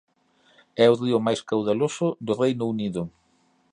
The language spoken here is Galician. É o río máis caudaloso do Reino Unido.